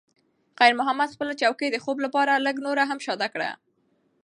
خیر محمد خپله چوکۍ د خوب لپاره لږ نوره هم شاته کړه.